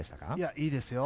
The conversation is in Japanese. いいですよ。